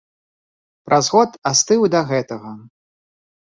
Праз год астыў і да гэтага.